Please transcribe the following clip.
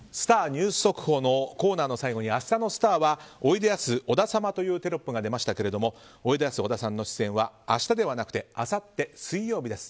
ニュース速報のコーナーの最後に明日のスターはおいでやす小田様というテロップが出ましたけれどもおいでやす小田さんの出演は明日ではなくてあさって水曜日です。